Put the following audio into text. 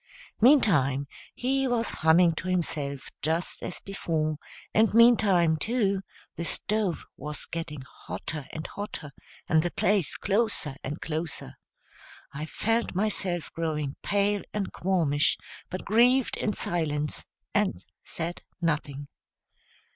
Meantime he was humming to himself just as before; and meantime, too, the stove was getting hotter and hotter, and the place closer and closer. I felt myself growing pale and qualmish, but grieved in silence and said nothing.